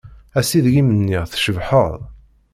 Ass ideg i m-nniɣ tcebḥeḍ.